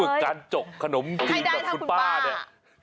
การจกขนมจีนกับคุณป้าเนี่ย